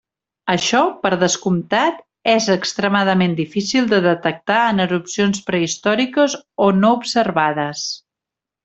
Això, per descomptat, és extremadament difícil de detectar en erupcions prehistòriques o no observades.